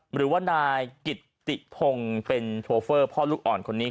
หรือว่านายกิตติพงศ์เป็นโชเฟอร์พ่อลูกอ่อนคนนี้